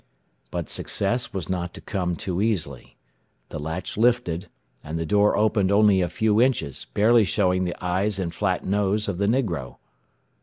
But success was not to come too easily. The latch lifted, and the door opened only a few inches, barely showing the eyes and flat nose of the negro.